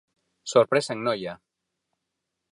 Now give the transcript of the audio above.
Sorpresa en Noia.